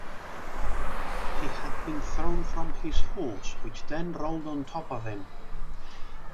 He had been thrown from his horse, which then rolled on top of him.